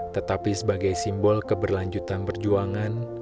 tetapi sebagai simbol keberlanjutan perjuangan